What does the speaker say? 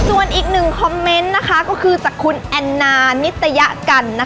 ส่วนอีก๑คอมเมนต์คุณแอนเนานิตยะกัน